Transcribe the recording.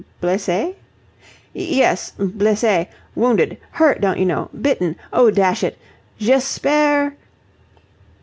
"Blessée?" "Yes, blessée. Wounded. Hurt, don't you know. Bitten. Oh, dash it. J'espère..."